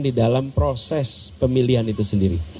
di dalam proses pemilihan itu sendiri